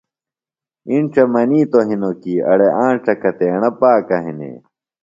اِنڇہ منِیتوۡ ہنوۡ کیۡ ”اڑے آنڇہ کتیڻہ پاکہ ہنے“